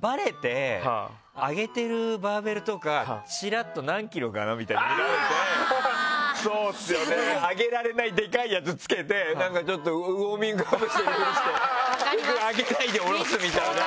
バレて上げているバーベルとかちらっと何ｋｇかなみたいな見られて上げられない、でかいやつつけてちょっとウォーミングアップしているふりして上げないで下ろすみたいな。